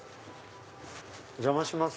お邪魔します。